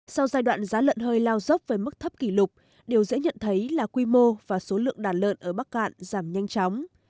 sau giai đoạn giá lợn hơi lao dốc với mức thấp kỷ lục điều dễ nhận thấy là quy mô và số lượng đàn lợn ở bắc cạn giảm nhanh chóng